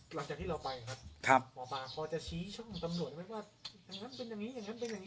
หลังจากที่เราไปครับหมอปลาพอจะชี้ช่องตำรวจไหมว่าอย่างนั้นเป็นอย่างนี้อย่างนั้นเป็นอย่างนี้